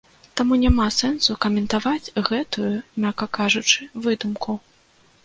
Таму няма сэнсу каментаваць гэтую, мякка кажучы, выдумку.